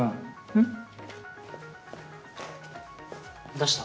どうした？